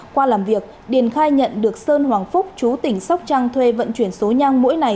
qua làm việc điền khai nhận được sơn hoàng phúc chú tỉnh sóc trăng thuê vận chuyển số nhang mỗi ngày